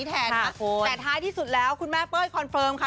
แต่ท้ายที่สุดแล้วคุณแม่เป้ยคอนเฟิร์มค่ะ